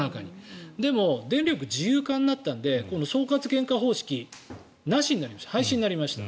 でも、電力自由化になったので総括原価方式廃止になりました。